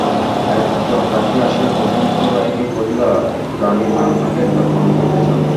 একজন দাসী আসিয়া বসন্ত রায়কে কহিল, রানীমা আপনাকে একবার প্রণাম করিতে চান।